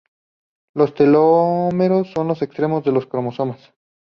Los telómeros son los extremos de los cromosomas.